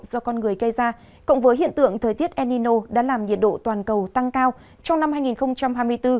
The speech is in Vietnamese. do con người gây ra cộng với hiện tượng thời tiết el nino đã làm nhiệt độ toàn cầu tăng cao trong năm hai nghìn hai mươi bốn